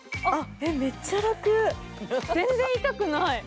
めっちゃ楽、全然痛くない。